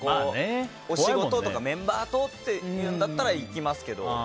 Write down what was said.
お仕事とかメンバーとっていうんだったら行きますけど。